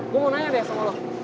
gue mau nanya deh sama loh